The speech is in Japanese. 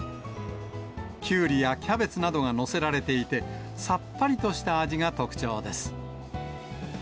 キュウリやキャベツなどが載せられていて、さっぱりとした味が特徴です。